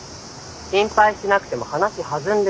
心配しなくても話弾んでるし。